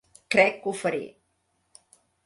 Crec que ho faré.